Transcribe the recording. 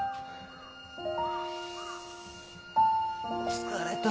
疲れた。